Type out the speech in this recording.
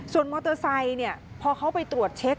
ส่วนมอเตอร์ไซค์พอเขาไปตรวจเช็ค